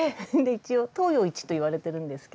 一応東洋一といわれてるんですけど。